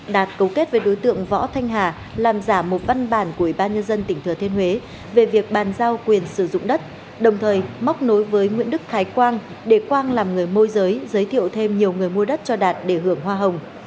đạt cấu kết với đối tượng võ thanh hà làm giả một văn bản của ủy ban nhân dân tỉnh thừa thiên huế về việc bàn giao quyền sử dụng đất đồng thời móc nối với nguyễn đức thái quang để quang làm người môi giới giới thiệu thêm nhiều người mua đất cho đạt để hưởng hoa hồng